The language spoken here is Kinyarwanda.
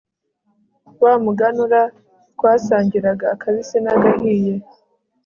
wa muganura twasangiraga akabisi nagahiye